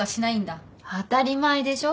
当たり前でしょ。